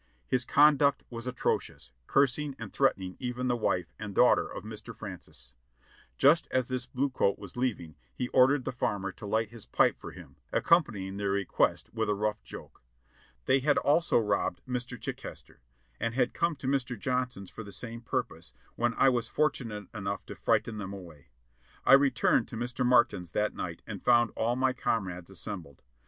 His conduct was atrocious, cursing and threatening even the wife and daughter of Mr. Francis. Just as this blue coat was leaving he ordered the farmer to light his pipe for him, accompanying the request with a rough joke. They had also robbed Mr. Chichester, and had come to Mr. Johnson's for the same purpose, when I was fortunate enough to frighten them away. I returned to Mr. Martin's that night and found all my com rades assembled.